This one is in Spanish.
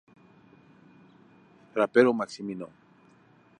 Trapero, Maximino.